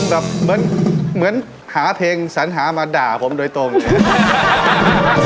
ใส่ลมแบบเหมือนหาเพลงสัญหามาด่าผมโดยตรงเนี่ย